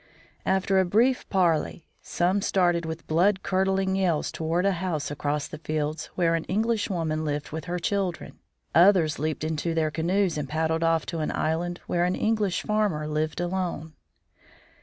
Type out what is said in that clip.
After a brief parley, some started with blood curdling yells toward a house across the fields where an English woman lived with her children; others leaped into their canoes and paddled off to an island where an English farmer lived alone.